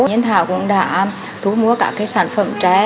nhân thảo cũng đã thu mua các sản phẩm trái